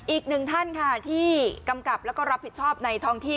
อีกหนึ่งท่านค่ะที่กำกับแล้วก็รับผิดชอบในท้องที่